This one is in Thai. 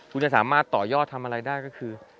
คุณจะสามารถต่อยอดทำอะไรได้ก็คือ